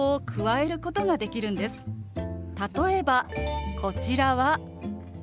例えばこちらは。